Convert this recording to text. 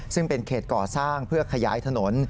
ซึ่งเป็นเขตก่อสร้างเพื่อขยายถนน